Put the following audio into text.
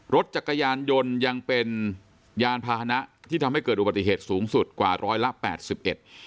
รถจักรยานยนต์ยังเป็นยานพาหนะที่ทำให้เกิดอุบัติเหตุสูงสุดกว่าร้อยละแปดสิบเอ็ด